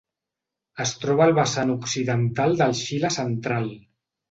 Es troba al vessant occidental del Xile central.